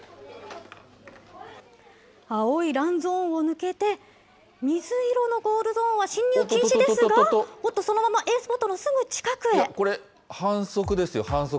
青いランゾーンを抜けて、水色のゴールゾーンは侵入禁止ですが、おっと、そのままＡスポットのすこれ、反則ですよ、反則。